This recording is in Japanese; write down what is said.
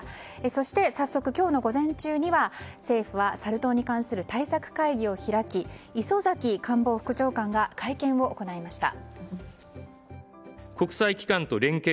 そして早速、今日の午前中には政府はサル痘に関する対策会議を開き磯崎官房副長官が会見を行いました。